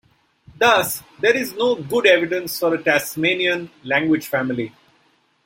Thus there is no good evidence for a Tasmanian language family.